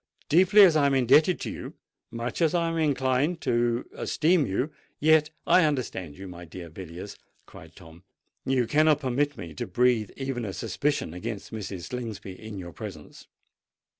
Deeply as I am indebted to you—much as I am inclined to esteem you—yet——" "I understand you, my dear Mr. Villiers," cried Tom: "you cannot permit me to breathe even a suspicion against Mrs. Slingsby in your presence.